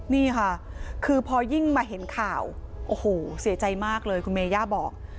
นี่ค่ะคือพอยิ่งมาเห็นข่าวโอ้โหเสียใจมากเลยคุณเมย่าบอก